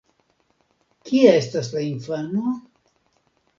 Kie estas la infano?